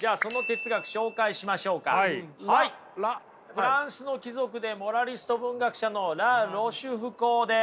フランスの貴族でモラリスト文学者のラ・ロシュフコーです。